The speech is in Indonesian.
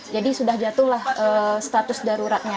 jadi sudah jatuhlah status daruratnya